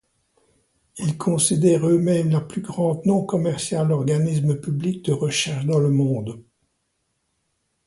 Ils considèrent eux-mêmes la plus grande non-commerciale organisme public de recherche dans le monde.